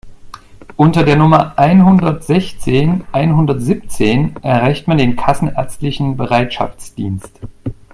Unter der Nummer einhundertsechzehn einhundertsiebzehn erreicht man den kassenärztlichen Bereitschaftsdienst.